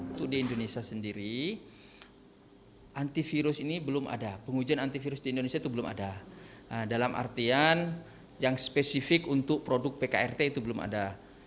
untuk di indonesia sendiri antivirus ini belum ada pengujian antivirus di indonesia itu belum ada dalam artian yang spesifik untuk produk pkrt itu belum ada